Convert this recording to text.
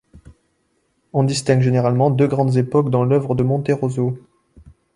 On distingue généralement deux grandes époques dans l'œuvre de Monterroso.